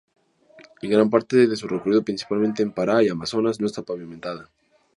En gran parte de su recorrido, principalmente en Pará y Amazonas, no está pavimentada.